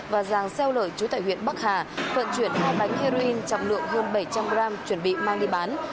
và giàng xeo lợi chú tại huyện bắc hà vận chuyển hai bánh heroin trọng lượng hơn bảy trăm linh g chuẩn bị mang đi bán